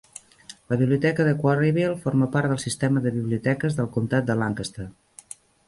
La biblioteca de Quarryville forma part del sistema de biblioteques del comtat de Lancaster.